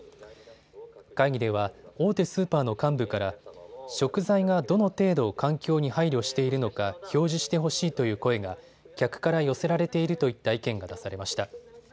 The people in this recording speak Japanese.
会議では大手スーパーの幹部から食材がどの程度、環境に配慮しているのか表示してほしいという声が客から寄せられているといった意見が出されました。